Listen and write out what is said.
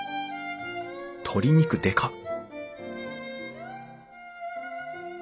鶏肉でかっ！